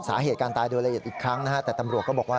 สาเหตุการตายโดยละเอียดอีกครั้งนะฮะแต่ตำรวจก็บอกว่า